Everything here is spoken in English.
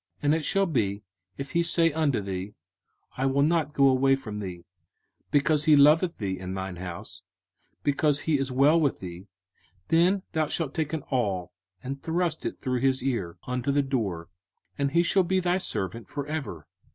05:015:016 And it shall be, if he say unto thee, I will not go away from thee; because he loveth thee and thine house, because he is well with thee; 05:015:017 Then thou shalt take an aul, and thrust it through his ear unto the door, and he shall be thy servant for ever.